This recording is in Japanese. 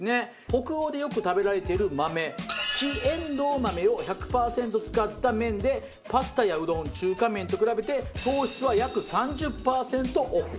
北欧でよく食べられている豆黄えんどう豆を１００パーセント使った麺でパスタやうどん中華麺と比べて糖質は約３０パーセントオフ。